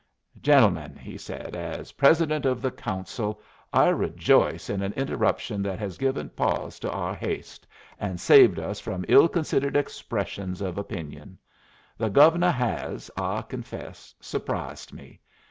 "Gentlemen," he said, "as President of the Council I rejoice in an interruption that has given pause to our haste and saved us from ill considered expressions of opinion. The Gove'nuh has, I confess, surprised me.